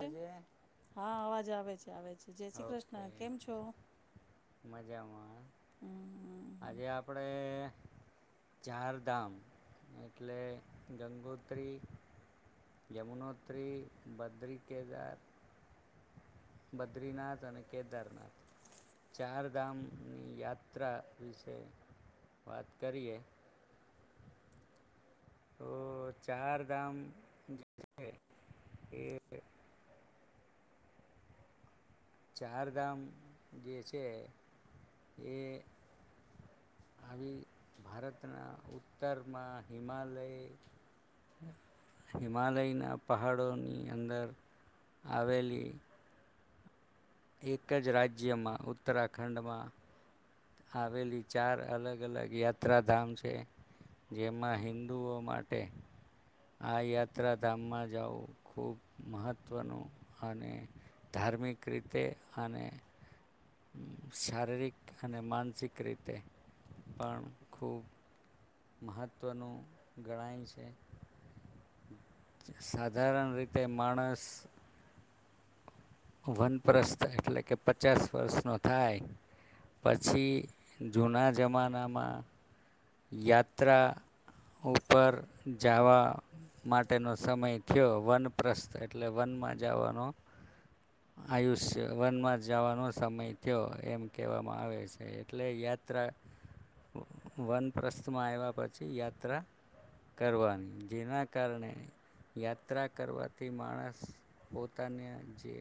જે હા અવાજ આવે છે. આવે છે જય શ્રી કૃષ્ણ કેમ છો? જામા. હમ હમ આજે આપડે. ચારધામ એટલે ગંગોત્રી, યમુનોત્રી, બદરી, કેદાર. બદ્રીનાથ અને કેદારનાથ ચારધામની યાત્રા વિશે વાત કરીએ. તો ચાર ધામ જે છે એ ચારધામ જે છે એ આવી ભારતના ઉત્તરમાં હિમાલય હિમાલયના પહાડોની અંદર આવેલી. એક જ રાજ્યમાં ઉત્તરાખંડમાં આવેલી ચાર અલગ અલગ યાત્રાધામ છે. જેમાં હિન્દુ ઓ માટે આ યાત્રાધામમાં જવું ખૂબ મહત્વનું અને ધાર્મિક રીતે અને શારીરિક અને માનસિક રીતે પણ ખૂબ મહત્ત્વનું ગણાય છે. સાધારણ રીતે માણસ વનપ્રસ્થ એટલે કે પચાસ વર્ષનો થાય પછી જૂના જમાનામાં યાત્રા ઉપર જાવા માટેનો સમય થયો વનપ્રસ્થ એટલે વનમાં જાવાનો આયુષ્ય વનમાં જવાનો સમય થયો એમ કહેવામાં આવે છે, એટલે યાત્રા વન પ્રસ્થમાં આવ્યા પછી યાત્રા કરવા, જેના કારણે યાત્રા કરવાથી માણસ પોતાને જે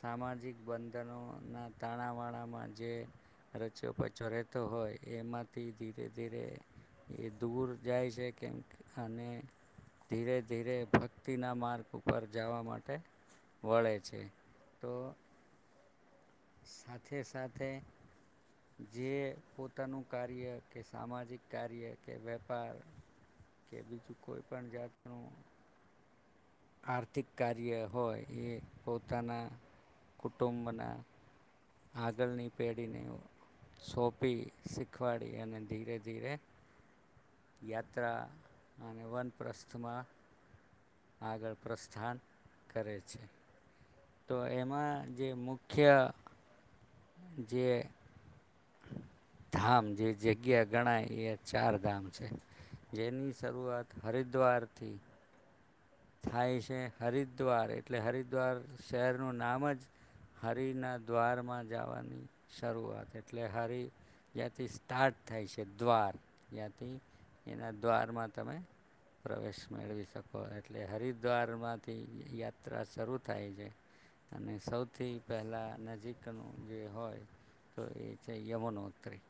સામાજિક બંધનોના તાણાવાણામાં જે રચયો પચો રહેતો હોય એમાંથી ધીરે ધીરે એ દૂર જાય છે કેમ કે અને ધીરે ધીરે ભક્તિના માર્ગ ઉપર જવા માટે વળે છે. તો સાથે સાથે જે પોતાનું કાર્ય કે સામાજિક કાર્ય કે વેપાર કે બીજું કોઈ પણ જાતનું આર્થિક કાર્ય હોય એ પોતાના કુટુંબના આગળની પેઢીને સોંપી, શીખવાડી અને ધીરે ધીરે યાત્રા અને વનપ્રસ્થમાં આગળ પ્રસ્થાન કરે છે. તો એમાં જે મુખ્ય જે ધામ જે જગ્યા ગણાય એ ચાર ધામ છે. જેની શરૂઆત હરિદ્વાર થી થાય છે. હરિદ્વાર એટલે હરિદ્વાર શહેરનું નામ જ હરિના દ્વારમાં જવાની શરૂઆત, એટલે હરિ ત્યાથી સ્ટાર્ટ થાય છે, દ્વાર ત્યાંથી એના દ્વારમાં તમે પ્રવેશ મેળવી શકો એમ. એટલે હરિદ્વારમાંથી યાત્રા શરૂ થાય છે અને સૌથી પહેલાં નજીકનું જે હોય તો એ છે યમુનોતરી.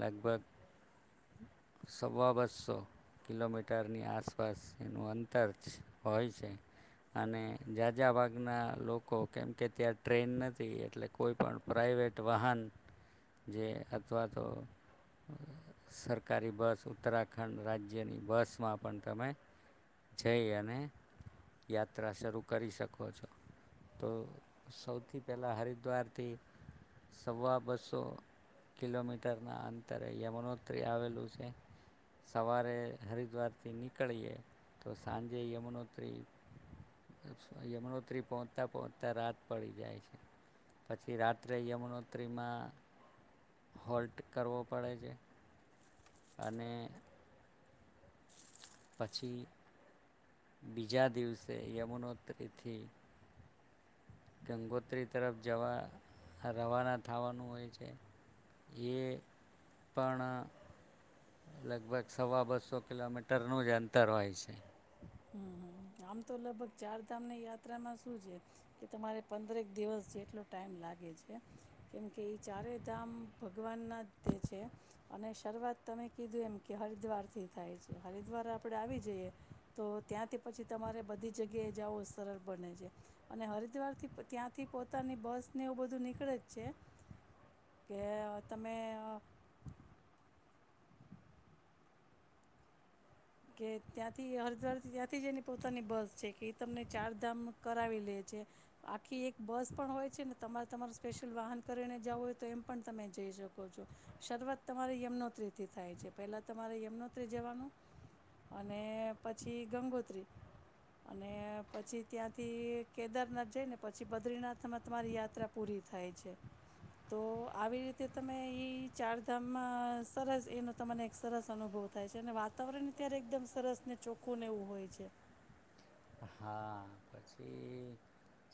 લગભગ સવા બસો કિલોમીટરની આસપાસ એનું અંત. તર છે હોય છે અને જાજા ભાગના લોકો કેમ કે ત્યાં ટ્રેન નથી એટલે કોઈ પણ પ્રાઇવેટ વાહન જે અથવા તો સરકારી બસ ઉત્તરાખંડ રાજ્યની બસમાં પણ તમે જઈ અને યાત્રા શરૂ કરી શકો છો. તો સૌથી પહેલા હરિદ્વારથી સવા બસો કિલોમીટરના અંતરે યમુનોતરી આવેલું છે, સવારે હરિદ્વારથી નીકળીએ તો સાંજે યમુનોત્રી-યમુનોત્રી પહોંચતા-પહોંચતાં રાત પડી જાય છે, પછી રાત્રે યમુનોત્રીમાં હોલ્ટ કરવો પડે છે. અને પછી બીજા દિવસે યમુનોતરીથી ગંગોત્રી તરફ જવા રવાના થવાનું હોય છે, એ પણ લગભગ સવા બસો કિલોમીટરનું જ અંતર હોય છે. હમમ આમ તો લગભગ ચાર ધામની યાત્રામાં શું છે કે તમારે પંદરેક દિવસ જેટલો ટાઈમ લાગે છે કેમ કે ઈ ચારેય ધામ ભગવાન ના જ તે છે અને શરૂઆત તમે કીધું એમ કે હરિદ્વાર થી કરે છે, હરિદ્વાર આપડે આવી જઈએ તો ત્યાંથી પછી તમારે બધી જગ્યાએ જાવું સરળ બને છે, અને હરિદ્વારથી ત્યાંથી પોતાની બસ ને એવું બધું નીકળે જ છે કે તમે કે ત્યાંથી હરિદ્વારથી ત્યાંથી જ એની પોતાની બસ છે કે એ તમને ચારધામ કરાવી લે છે. આખી એક બસ પણ હોય છે ને તમારે તમારું સ્પેશિયલ વાહન કરીને જવું હોય તો એમ પણ તમે જઈ શકો છો. શરૂઆત તમારી યમુનોત્રી થી થાય છે. પહેલા તમારે યમુનોત્રી જવાનું અને પછી ગંગોત્રી અને પછી ત્યાંથી કેદારનાથ જઈ ને પછી બદ્રીનાથમાં તમારી યાત્રા પૂરી થાય છે. તો આવી રીતે તમે ઈ ચારધામમાં સરસ એનો તમને એક સરસ અનુભવ થાય છે અને વાતાવરણ અત્યારે એકદમ સરસ ને ચોખ્ખું નેવું હોય છે. હા પછી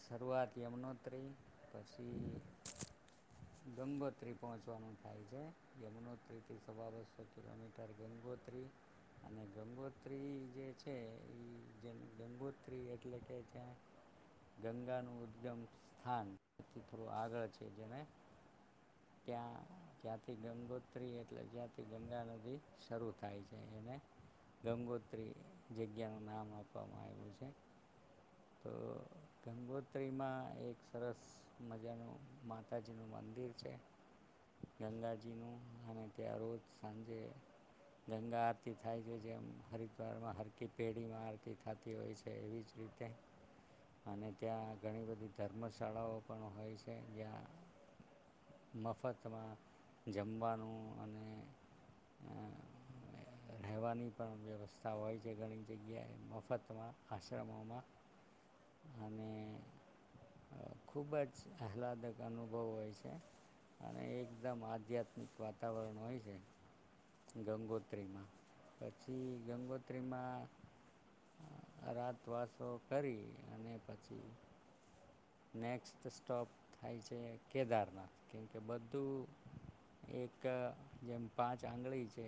શરૂઆત યમનોત્રી પછી ગંગોત્રી પહોંચવાનું થાય છે યમુનોત્રીથી સવા બસો કિલોમીટર ગંગોત્રી અને ગંગોત્રી જે છે એ જે ગંગોત ત એટલે કે જ્યાં ગંગાનું ઉદગમ સ્થાન તથી થોડું આગળ છે, જેને ત્યાં જ્યાંથી ગંગોત્રી એટલે જ્યાંથી ગંગા નદી શરૂ થાય છે એને ગંગોત્રી જગ્યાનું નામ આપવામાં આવ્યું છે. તો ગંગોત્રીમાં એક સરસ મજાનું માતાજી નું મંદિર છે, ગંગાજી નું અને ત્યાં રોજ સાંજે ગંગા આરતી થાય છે જેમ હરિદ્વારમાં હરકી પેઢીમાં આરતી થતી હોય છે. છે એવી જ રીતે અને ત્યાં ઘણી બધી ધર્મશાળાઓ પણ હોય છે જ્યાં મફતમાં જમવાનું અને રહેવાની પણ વ્યવસ્થા હોય છે ઘણી જગ્યાએ મફતમાં. આશ્રમોમાં અને ખૂબ જ આહલાદક અનુભવ હોય છે, અને એકદમ આધ્યાત્મિક વાતાવરણ હોય છે ગંગોત્રીમાં પછી ગંગોત્રીમાં. અ રાતવાસો કરી અને પછી. નેક્સ્ટ સ્ટોપ થાય છે કેદારનાથ, કેમકે બધું એક જેમ પાંચ આંગળી છે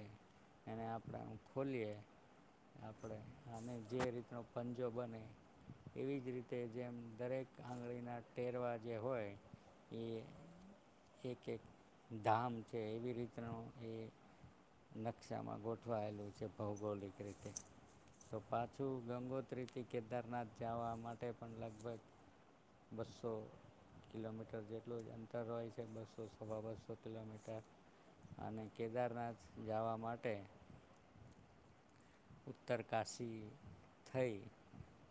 એને આપણે ખોલીએ આપણે અને જે રીતનો પંજો બને એવી જ રીતે જેમ દરેક. આંગળીના ટેરવા જે હોય એ એક-એક ધામ છે એવી રીતનું એ નકશામાં ગોઠવાયેલું છે ભૌગોલિક રીતે, તો પાછું ગંગોત્રીથી કેદારનાથ જવા માટે પણ લગભગ. બસો કિલોમીટર જેટલું જ અંતર હોય છે બસો સવા બસો કિલોમીટર અને કેદારનાથ જાવા માટે. ઉત્તર કાશી થઈ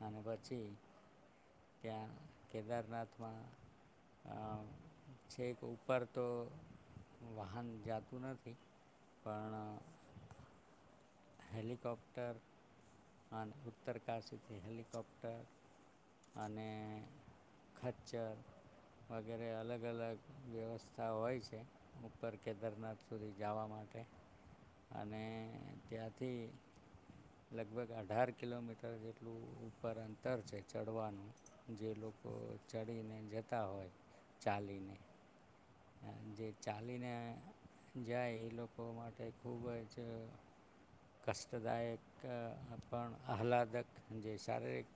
અને પછી. ત્યાં કેદારનાથમાં છે કે ઉપર તો વાહન જાતું નથી પણ. હેલિકોપ્ટર અને ઉત્તરકાશીથી હેલિકોપ્ટર અને ખચ્ચર વગેરે અલગ અલગ વ્યવસ્થા હોય છે ઉપર કેદારનાથ સુધી જવા માટે અને. ત્યાંથી લગભગ અઢાર કિલોમીટર જેટલું ઉપર અંતર છે ચડવાનું જે લોકો ચડીને જતા હોય ચાલીને જે ચાલીને જાય એ લોકો માટે ખૂબ જ. કષ્ટદાયક પણ આહલાદક જે શારીરિક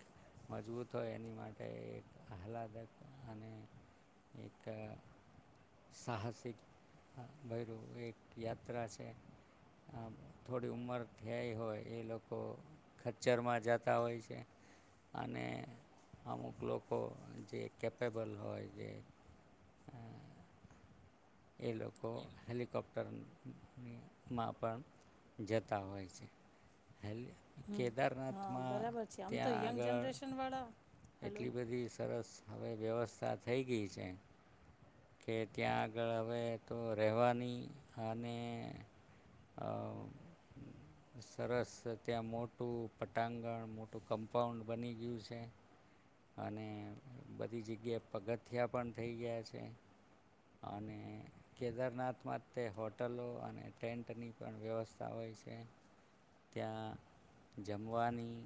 મજબૂત હોય એની માટે એક આહલાદક અને એક સાહસિક ભય્યું એક યાત્રા છે આ. થોડી ઉંમર થઈ હોય એ લોકો ખચ્ચરમાં જતા હોય છે અને અમુક લોકો જે કેપેબલ હોય જે એ લોકો હેલિકોપ્ટરમાં પણ. જતા હોય છે. હેલી હમ હા કેદારનાથમાં બરાબર છે આમ તો ત્યાં યંગ આગળ જનરેશન વાળા હેલો એટલી બધી સરસ. હવે વ્યવસ્થા થઈ ગઈ છે. કે ત્યાં આગળ હવે તો રહેવાની અને સરસ ત્યાં મોટું પટાંગણ મોટું કમ્પાઉન્ડ બની ગયું છે અને બધી જગ્યાએ પગથિયા પણ થઈ ગયા છે. અને કેદારનાથમાં તે હોટલો અને ટેન્ટની પણ વ્યવસ્થા હોય છે, ત્યાં જમવાની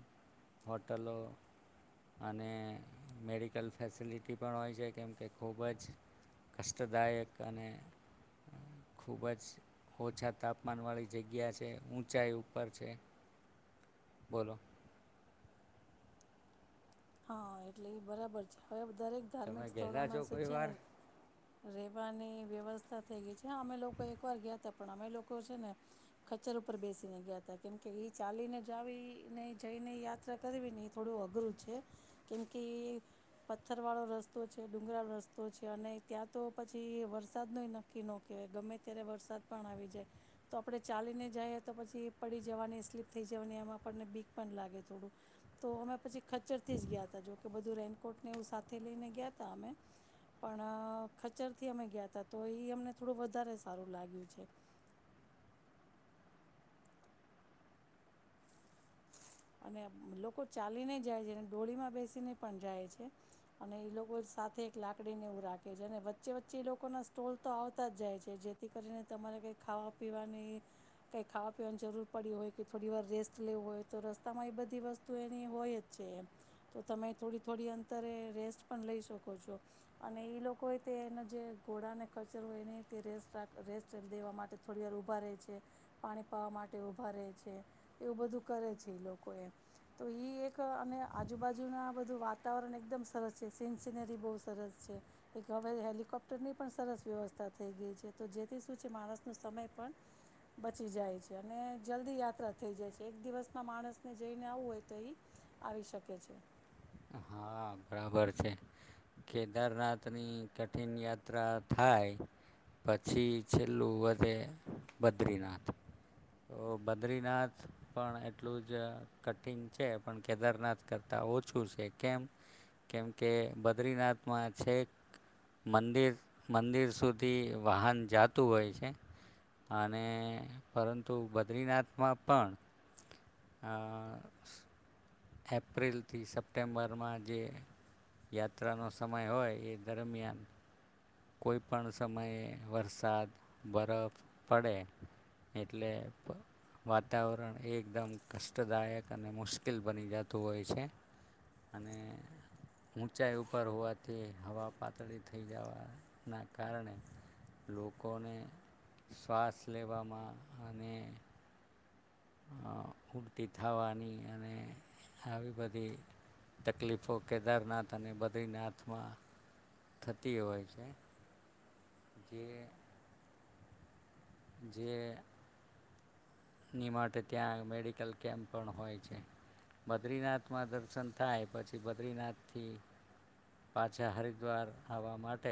હોટલો અને મેડિકલ ફેસિલિટી પણ હોય છે કેમકે ખૂબ જ. કષ્ટદાયક અને ખૂબ જ ઓછા તાપમાન વાળી જગ્યા છે ઊંચાઈ ઉપર છે બોલો. હા એટલે એ બરાબર છે હવે દરેક તમે ધાર્મિક ગયેલા છો સ્થળોમાં સ્ કોઈ છે વાર ને રહેવાની વ્યવસ્થા થઈ ગઈ છે. અમે લોકો એકવાર ગ્યા તા પણ અમે લોકો છે ને, ખચ્ચર ઉપર બેસીને ગ્યા તા. કેમ કે ઈ ચાલીને જાવી ને જઈને ઈ યાત્રા કરવી ને એ થોડું અઘરું છે. કેમ કે ઈ પથ્થરવાળો રસ્તો છે, ડુંગરાળ રસ્તો છે, અને ત્યાં તો પછી વરસાદનો ય નક્કી નો કેવાય, ગમે ત્યારે વરસાદ પણ આવી જાય. તો આપણે ચાલીને જાએ તો પછી પડી જવાની, સ્લીપ થઈ જવાની એમાં આપણને બીક પણ લાગે થોડુંક. તો અમે પછી ખચ્ચર થી જ ગ્યા તા, જોકે બધું રેનકોટને એવું સાથે લઈને ગ્યા તા અમે, પણ ખચરથી અમે ગ્યા તા. તો ઈ અમને થોડું વધારે સારું લાગ્યું છે. અને લોકો ચાલીને જાય છે, અને ડોળીમાં બેસીને પણ જાય છે, અને એ લોકો સાથે એક લાકડીને એવું રાખે છે, અને વચ્ચે વચ્ચે એ લોકોના સ્ટોલ તો આવતા જ જાય છે, જેથી કરીને તમારે કંઈ ખાવા પીવાની કંઈ ખાવા પીવાની જરૂર પડી હોય કે થોડી વાર રેસ્ટ લેવું હોય તો રસ તમા એ બધી વસ્તુ એની હોય જ છે એમ તો તમે થોડી થોડી અંતરે રેસ્ટ પણ લઈ શકો છો. અને એ લોકોએ તે એનો જે ઘોડાને કચરો હોય એની તે રેસ્ટ રા રેસ્ટ દેવા માટે થોડી વાર ઊભા રહે છે, પાણી પાવા માટે ઊભાં રહે છે, એવું બધું કરે છે. એ લોકો એ તો એક અને આજુબાજુના બધું વાતાવરણ એકદમ સરસ છે. સીન સિનરી બહુ સરસ છે. એક હવે હેલિકોપ્ટરની પણ સરસ વ્યવસ્થા થઈ ગઈ છે. તો જેથી શું છે માણસ નો સમય પણ બચી જાય છે, અને જલ્દી યાત્રા થઈ જાય છે. એક દિવસમાં માણસ જઈને આવવું હોય તો એ આવી શકે છે. હા બરાબર છે, કેદારનાથની કઠિન યાત્રા થાય પછી છેલ્લું વધે બદ્રીનાથ. તો બદ્રીનાથ પણ એટલું જ કઠિન છે, પણ કેદારનાથ કરતાં ઓછું છે કેમ કેમ કે બદ્રીનાથમાં છેક મંદિર મંદિર સુધી વાહન જાતું હોય છે. અને પરંતુ બદ્રીનાથમાં પણ એપ્રિલથી સપ્ટેમ્બરમાં જે યાત્રાનો સમય હોય એ દરમિયાન કોઈ પણ સમયે વરસાદ બરફ પડે એટલે વાતાવરણ એ એકદમ કષ્ટદાયક અને મુશ્કેલ બની જતું હોય છે. અને ઊંચાઈ ઉપર હોવાથી હવા પાતળી થઈ જવાં ના કારણે લોકોને શ્વાસ લેવામાં અને ઉલટી થવાની અને આવી બધી તકલીફો કેદારનાથ અને બદ્રીનાથમાં થતી હોય છે. જે જેની માટે ત્યાં મેડિકલ કેમ્પ પણ હોય છે. બદ્રીનાથમાં દર્શન થાય પછી બદ્રીનાથથી પાછાં હરિદ્વાર આવવા માટે